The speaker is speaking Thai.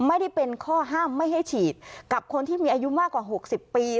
ไม่ได้เป็นข้อห้ามไม่ให้ฉีดกับคนที่มีอายุมากกว่า๖๐ปี